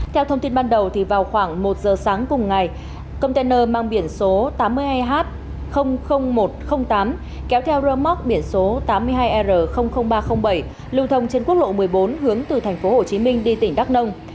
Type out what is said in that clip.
theo thông tin ban đầu vào khoảng một giờ sáng cùng ngày container mang biển số tám mươi hai h một trăm linh tám kéo theo rơ móc biển số tám mươi hai r ba trăm linh bảy lưu thông trên quốc lộ một mươi bốn hướng từ tp hcm đi tỉnh đắk nông